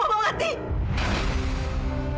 lebih baik mama mati